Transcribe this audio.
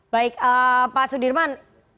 baik pak sudirman